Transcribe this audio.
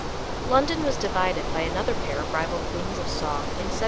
London was divided by another pair of rival queens of song in 1725 6.